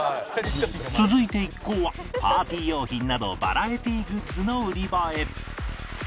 続いて一行はパーティー用品などバラエティグッズの売り場へ